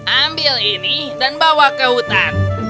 ambil ini dan bawa ke hutan